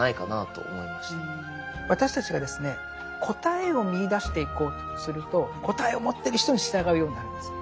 私たちがですね答えを見いだしていこうとすると答えを持ってる人に従うようになるんです。